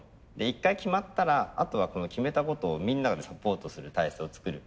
一回決まったらあとは決めたことをみんなでサポートする体制を作る。